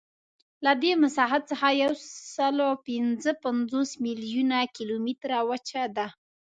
له دې مساحت څخه یوسلاوپینځهپنځوس میلیونه کیلومتره وچه ده.